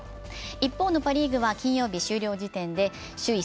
一方のパ・リーグは金曜日、終了時点で首位